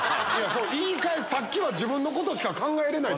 言い返すさっきは自分のことしか考えれないって。